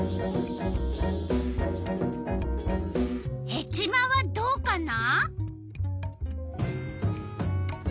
ヘチマはどうかな？